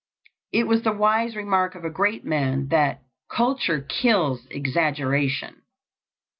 It was the wise remark of a great man that "culture kills exaggeration."